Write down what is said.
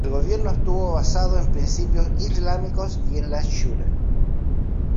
El gobierno estuvo basado en principios islámicos y en la shura.